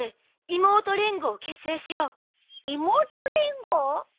妹連合。